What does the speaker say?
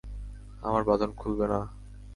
আমার বাঁধন খুলবে না?